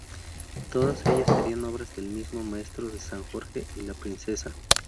Todas ellas serían obras del mismo Maestro de San Jorge y la princesa.